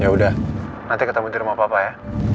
ya udah nanti ketemu di rumah papa ya